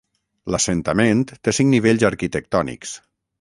L'assentament té cinc nivells arquitectònics.